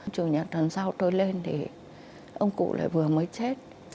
chủ nhật tuần sau tôi lên thì ông cụ lại vừa mới chết